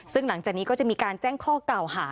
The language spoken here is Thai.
ซึ่งหลังจากนี้ก็จะมีการแจ้งข้อกล่าวหา